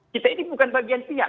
kita ini bukan bagian pihak